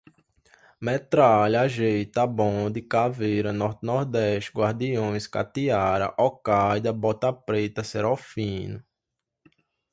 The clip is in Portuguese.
metralha, ajeita, bonde, caveira, norte-nordeste, guardiões, katiara, okaida, bota preta, cerol fino